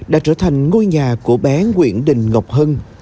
đã trở thành ngôi nhà của bé nguyễn đình ngọc hân